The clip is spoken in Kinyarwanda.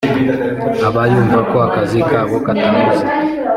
aba yumva ko akazi kabo katanoze